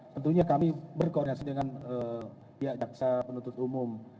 tentunya kami berkoordinasi dengan pihak jaksa penuntut umum